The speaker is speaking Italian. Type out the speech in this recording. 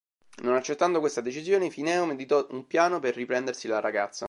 Non accettando questa decisione, Fineo meditò un piano per riprendersi la ragazza.